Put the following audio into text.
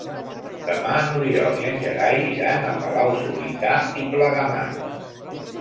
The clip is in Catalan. Demà n'Oriol i en Gerai iran a Palau-solità i Plegamans.